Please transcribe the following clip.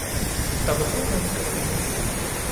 der var to mennesker derinde.